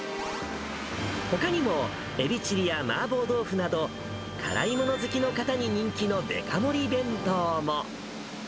ほかにもエビチリや麻婆豆腐など、辛いもの好きの方に人気のデカ盛り弁当も。